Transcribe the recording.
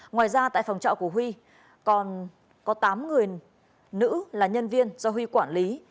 ngoài ra tại phòng trọ của huy còn có tám người nữ là nhân viên do huy quản lý